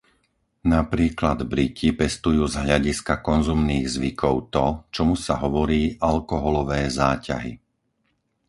Napríklad Briti pestujú z hľadiska konzumných zvykov to, čomu sa hovorí alkoholové záťahy.